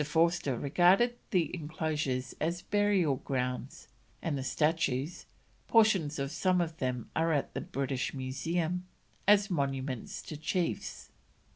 Forster regarded the enclosures as burial grounds, and the statues (portions of some of them are at the British Museum) as monuments to chiefs.